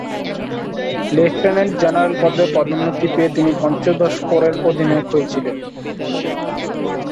Lieutenant general পদে পদোন্নতি পেয়ে তিনি পঞ্চদশ কোরের অধিনায়ক হয়েছিলেন।